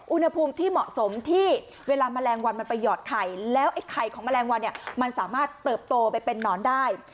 อุณหภูมิที่เหมาะสมที่เวลาแมลงวันมันไปหยอดไข่แล้วไอ้ไข่ของแมลงวันเนี่ยมันสามารถเติบโตไปเป็นนอนได้